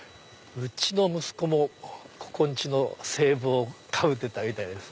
うちの息子もここん家の制帽をかぶってたみたいです。